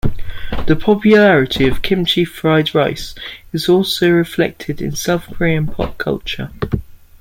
The popularity of kimchi fried rice is also reflected in South Korean pop culture.